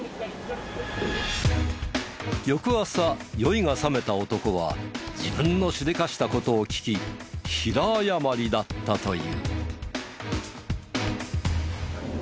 翌朝酔いがさめた男は自分のしでかした事を聞き平謝りだったという。